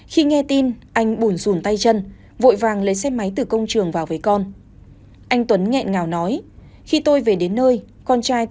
khi nghe tin anh bùn rùn tay chân vội vàng lấy xếp máy từ công trường vào với con